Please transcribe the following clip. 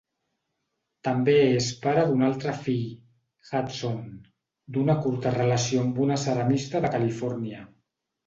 També és pare d'un altre fill, Hudson, d'una curta relació amb una ceramista de Califòrnia.